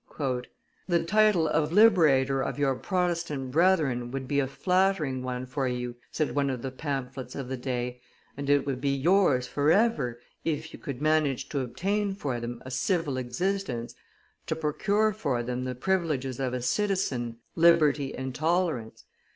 "The title of liberator of your Protestant brethren would be a flattering one for you," said one of the pamphlets of the day, "and it would be yours forever, if you could manage to obtain for them a civil existence, to procure for them the privileges of a citizen, liberty and tolerance.